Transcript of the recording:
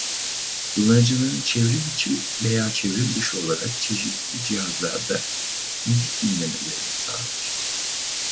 Kullanıcıların çevrimiçi veya çevrimdışı olarak çeşitli cihazlarda müzik dinlemelerini sağlar.